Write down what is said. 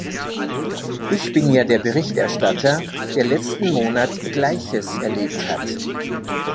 Ich bin ja der Berichterstatter, der letzten Monat Gleiches erlebt hat.